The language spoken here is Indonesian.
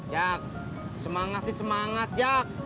ya semangat sih semangat jak